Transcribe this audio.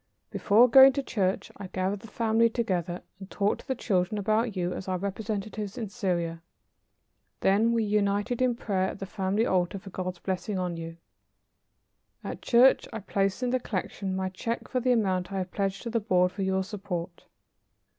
Before going to church I gathered the family together and talked to the children about you as our representatives in Syria. Then we united in prayer at the family altar for God's blessing on you. At church I placed in the collection my check for the amount I have pledged to the Board for your support."